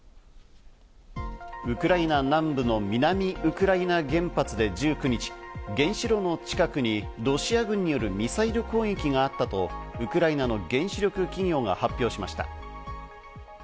ウクライナ南部の南ウクライナ原発で１９日、原子炉の近くにロシア軍によるミサイル攻撃があったとウクライナの原子力企業が発表しました。